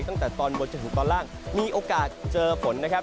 ตั้งแต่ตอนบนจนถึงตอนล่างมีโอกาสเจอฝนนะครับ